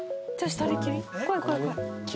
２人きり？